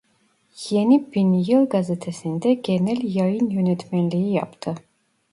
Yeni Binyıl gazetesinde genel yayın yönetmenliği yaptı.